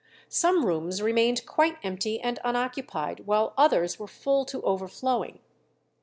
Some rooms remained quite empty and unoccupied, while others were full to overflowing.